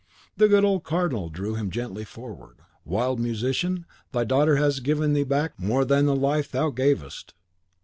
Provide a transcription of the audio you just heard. The good old Cardinal drew him gently forward. Wild musician, thy daughter has given thee back more than the life thou gavest!